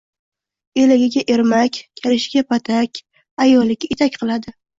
Elagiga ermak, kalishiga patak, ayoliga etak qiladi